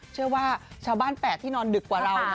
เชื่อว่าชาวบ้าน๘ที่นอนดึกกว่าเรา